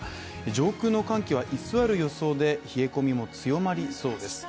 上空の寒気は居座る予想で冷え込みも強まりそうです。